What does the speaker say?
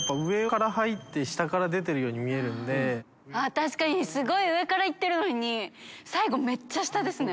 確かにすごい上からいってるのに埜めっちゃ下ですね。